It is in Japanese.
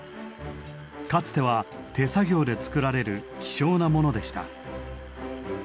かつては手作業で作られる希少なものでした。